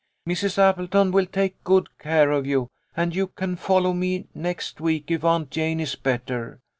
Mrs. Appleton will take good care of you, and you can follow me next week if Aunt Jane is better.